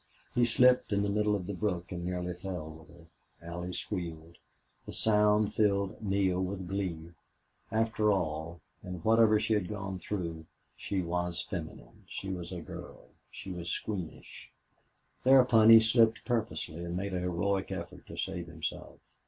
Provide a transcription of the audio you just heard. He slipped in the middle of the brook and nearly fell with her. Allie squealed. The sound filled Neale with glee. After all, and whatever she had gone through, she was feminine she was a girl she was squeamish. Thereupon he slipped purposely and made a heroic effort to save himself.